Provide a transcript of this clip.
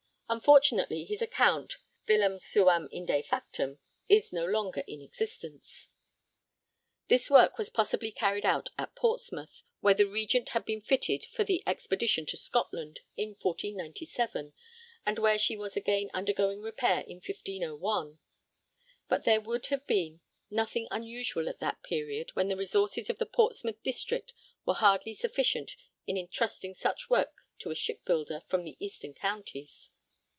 Unfortunately his account, 'billam suam inde factam,' is no longer in existence. This work was possibly carried out at Portsmouth, where the Regent had been fitted for the Expedition to Scotland in 1497, and where she was again undergoing repair in 1501, but there would have been nothing unusual at that period, when the resources of the Portsmouth district were hardly sufficient, in entrusting such work to a shipbuilder from the eastern counties.